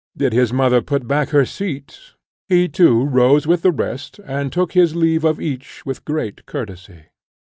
Did his mother put back her seat? he too rose with the rest, and took his leave of each with great courtesy.